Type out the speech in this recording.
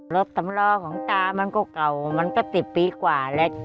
สำรอของตามันก็เก่ามันก็๑๐ปีกว่าแล้ว